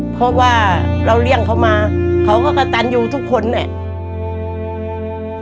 เพราะว่าเราเลี่ยงเขามาเขาก็กระตันอยู่ทุกคนเนี่ย